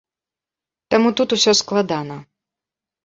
Таму тут усё складана.